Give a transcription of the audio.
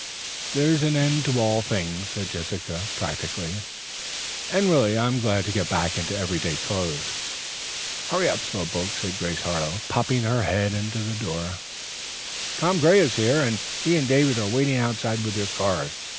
"There's an end to all things," said Jessica practically, "and really I'm glad to get back into everyday clothes." "Hurry up, slowpokes," said Grace Harlowe, popping her head in the door. "Tom Gray is here. He and David are waiting outside with their cars.